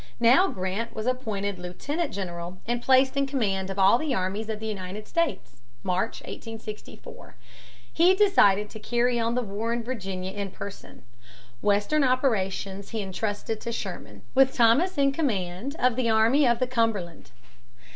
Now Grant was appointed Lieutenant General and placed in command of all the armies of the United States (March, 1864). He decided to carry on the war in Virginia in person. Western operations he intrusted to Sherman, with Thomas in command of the Army of the Cumberland.